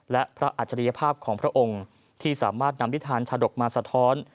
และพระอัจฉริยภาพของพระองค์ที่สามารถนำนิทานชาดกมาสะท้อน